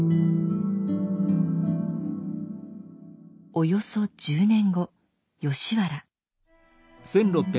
およそ１０年後吉原。